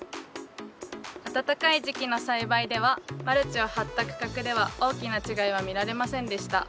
暖かい時期の栽培ではマルチを張った区画では大きな違いは見られませんでした。